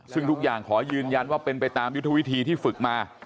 ซึ่งทุกอย่างขอยืนยันว่าเป็นไปตามยุทธวิธีที่ฝึกมา